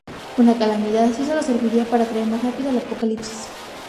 Una calamidad así solo serviría para atraer más rápido al Apocalipsis.